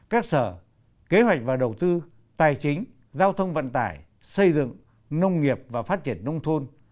các sở kế hoạch và đầu tư tài chính giao thông vận tải xây dựng nông nghiệp và phát triển nông thôn